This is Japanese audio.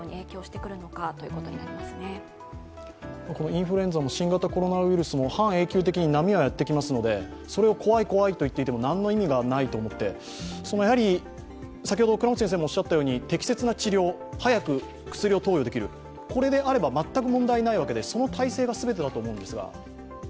インフルエンザも新型コロナウイルスも半永久的に波はやってきますので、それを怖い怖いと言っていても、何の意味もないと思っていて適切な治療、早く薬を投与できる、これであれば全く問題ないわけで、その体制が全てだと思うんですが。